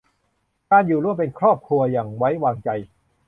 การอยู่ร่วมเป็นครอบครัวอย่างไว้วางใจ